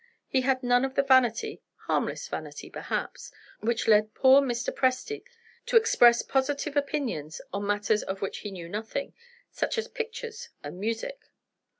He had none of the vanity (harmless vanity, perhaps) which led poor Mr. Presty to express positive opinions on matters of which he knew nothing, such as pictures and music.